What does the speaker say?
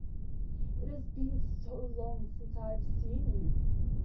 It has been so long since I have seen you!